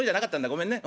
ごめんね。